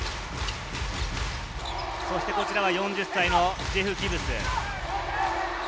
そしてこちらは４０歳のジェフ・ギブス。